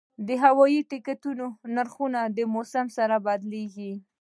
د هوایي ټکټ نرخونه د موسم سره بدلېږي.